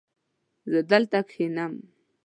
زه دلته کښېنم